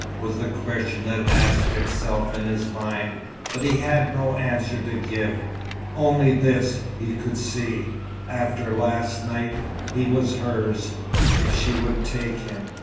was the question that asked itself in his mind; but he had no answer to give. Only this he could see: after last night, he was hers, if she would take him.